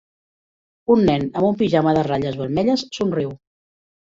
Un nen amb un pijama de ratlles vermelles somriu.